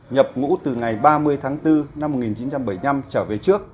nhập ngũ từ ngày ba mươi tháng bốn năm một nghìn chín trăm bảy mươi năm trở về trước